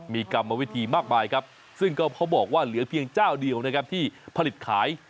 มีกรรมวิธีมากมายครับซึ่งก็เขาบอกว่าเหลือเพียงเจ้าเดียวนะครับที่ผลิตขาย